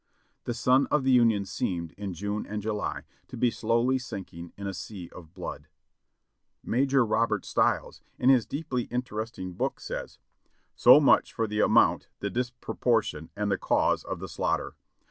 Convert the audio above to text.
The sun of the Union seemed, in June and July, to be slowly sinking in a sea of blood. Major Robert Stiles, in his deeply interesting book (page 287) says: "So much for the amount, the disproportion, and the cause of the slaughter.